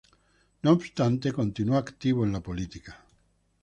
No obstante, continuó activo en la política.